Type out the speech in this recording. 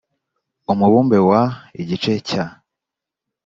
Umubumbe wa igice cya